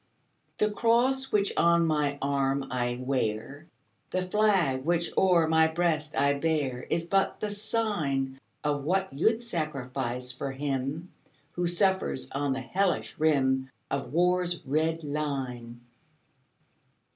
The cross which on my arm I wear, The flag which o'er my breast I bear, Is but the sign Of what you 'd sacrifice for him Who suffers on the hellish rim Of war's red line.